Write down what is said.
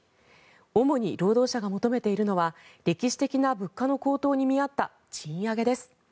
主に労働者が求めているのは歴史的な物価の高騰に見合った賃上げです。